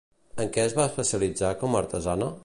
En què es va especialitzar com a artesana?